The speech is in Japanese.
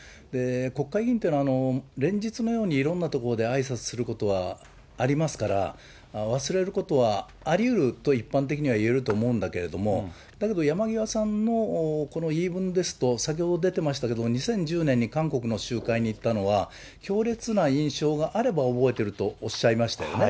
国会議員というのは、連日のように、いろんなところであいさつすることはありますから、忘れることはありうると、一般的にはいえると思うんだけれども、だけど山際さんのこの言い分ですと、先ほど出てましたけど、２０１０年に韓国の集会に行ったのは、強烈な印象があれば覚えているとおっしゃいましたよね。